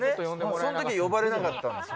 そのとき、呼ばれなかったんですよ。